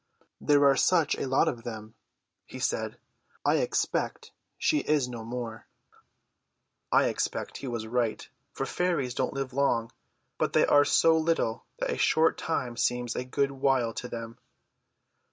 "There are such a lot of them," he said. "I expect she is no more." I expect he was right, for fairies don't live long, but they are so little that a short time seems a good while to them.